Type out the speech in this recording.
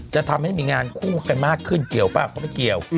จะทำให้มีงานคู่กันมากขึ้นเกี่ยวป่ะเขาไม่เกี่ยว